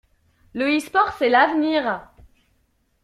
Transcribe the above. Le eSport c'est l'avenir!